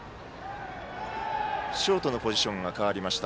ショートのポジションが代わりました。